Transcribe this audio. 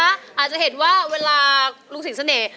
อาจจะเห็นว่าเวลารู้สึกเสด็จ